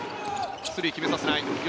スリー決めさせない。